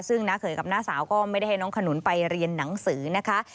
ซึ่งน้าเขยกับน้าสาวก็ไม่ได้ให้น้องขนุนไปเรียนหนังสือนะคะ